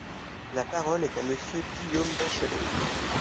La parole est à Monsieur Guillaume Bachelay.